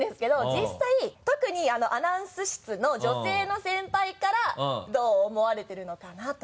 実際特にアナウンス室の女性の先輩からどう思われてるのかな？と。